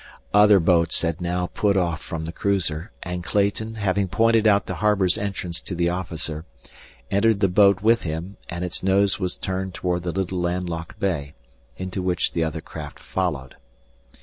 Other boats had now put off from the cruiser, and Clayton, having pointed out the harbor's entrance to the officer, entered the boat with him and its nose was turned toward the little landlocked bay, into which the other craft followed.